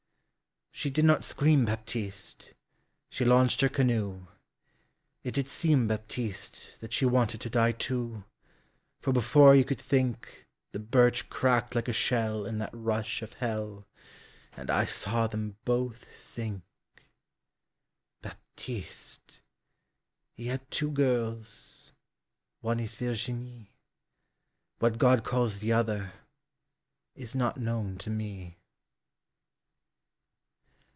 She did not scream, Baptiste, She launched her canoe; It did seem, Baptiste, That she wanted to die too, For before you could thinkThe birch cracked like a shellIn that rush of hell, And I saw them both sink—Baptiste! He had two girls, One is Virginie; What God calls the otherIs not known to me.